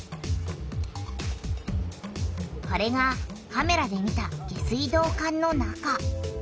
これがカメラで見た下水道管の中。